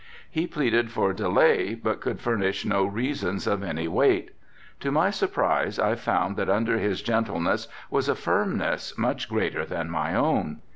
He pleaded for delay but could furnish no reasons of any weight. To my surprise I found that under his gentleness was a firmness much greater than my own.